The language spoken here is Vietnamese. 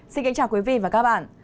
xin kính chào quý vị và các bạn